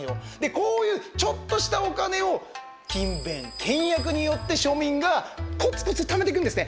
こういうちょっとしたお金を勤勉倹約によって庶民がコツコツ貯めていくんですね。